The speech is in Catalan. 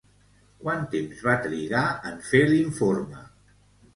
Quant temps va trigar en fer l'informe?